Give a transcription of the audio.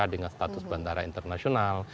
dengan status bandara internasional